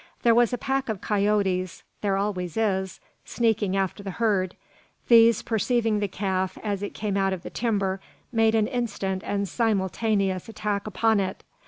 There was a pack of coyotes (there always is) sneaking after the herd. These, perceiving the calf, as it came out of the timber, made an instant and simultaneous attack upon it.